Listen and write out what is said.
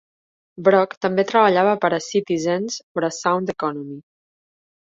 Brock també treballava per a Citizens for a Sound Economy.